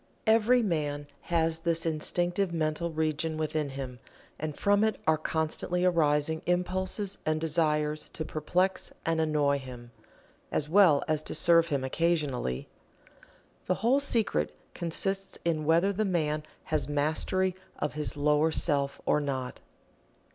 Every man has this Instinctive mental region within him and from it are constantly arising impulses and desires to perplex and annoy him, as well as to serve him occasionally. The whole secret consists in whether the man has Mastery of his lower self or not.